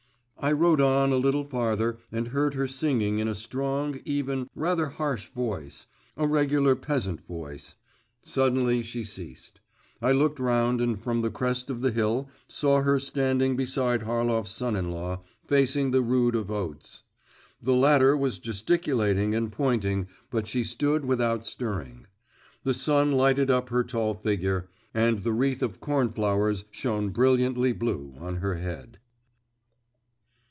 I rode on a little farther and heard her singing in a strong, even, rather harsh voice, a regular peasant voice; suddenly she ceased. I looked round and from the crest of the hill saw her standing beside Harlov's son in law, facing the rood of oats. The latter was gesticulating and pointing, but she stood without stirring. The sun lighted up her tall figure, and the wreath of cornflowers shone brilliantly blue on her head.